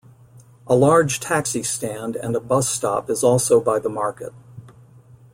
A large taxi stand and a bus stop is also by the market.